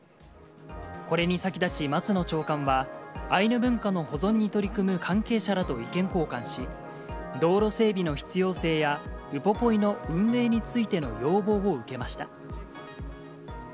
これに先立ち、松野長官は、アイヌ文化の保存に取り組む関係者らと意見交換し、道路整備の必要性やウポポイの運営についての要望を受けました。